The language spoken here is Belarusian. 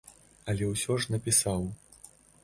Але ўсё ж напісаў.